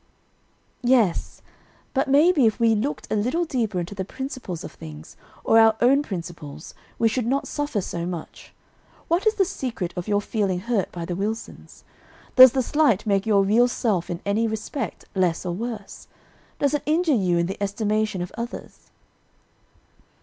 "Yes; but may be if we looked a little deeper into the principles of things, or our own principles, we should not suffer so much. What is the secret of your feeling hurt by the Wilsons? Does the slight make your real self in any respect less or worse? Does it injure you in the estimation of others?"